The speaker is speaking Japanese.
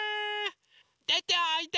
でておいで！